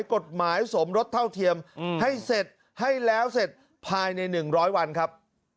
กฎหมายสมรสเท่าเทียมให้เสร็จให้แล้วเสร็จภายใน๑๐๐วันครับ